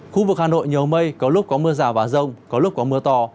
khu vực hà nội nhiều mây có lúc có mưa rào và rông có lúc có mưa to